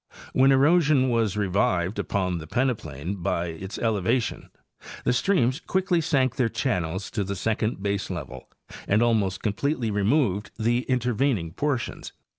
When erosion was revived upon the peneplain by its elevation the streams quickly Types of the Cretaceous Peneplain. 71 sank their channels to the second baselevel and almost com pletely removed the intervening portions.